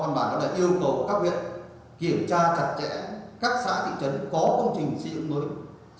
trong đó văn bản đã yêu cầu các huyện kiểm tra chặt chẽ các xã thị trấn có công trình xây dựng nông thôn mới